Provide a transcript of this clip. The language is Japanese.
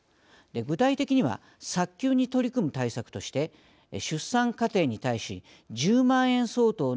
具体的には早急に取り組む対策として出産家庭に対し１０万円相当の支給を行います。